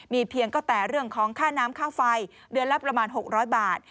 เพียงก็แต่เรื่องของค่าน้ำค่าไฟเดือนละประมาณ๖๐๐บาท